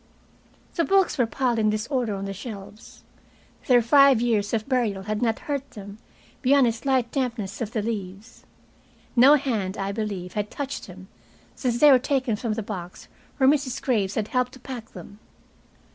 The books were piled in disorder on the shelves. Their five years of burial had not hurt them beyond a slight dampness of the leaves. No hand, I believe, had touched them since they were taken from the box where Mrs. Graves had helped to pack them.